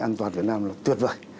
an toàn việt nam là tuyệt vời